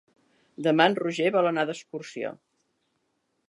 Demà en Roger vol anar d'excursió.